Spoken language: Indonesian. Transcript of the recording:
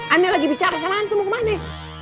anna lagi bicara sama antum mau kemana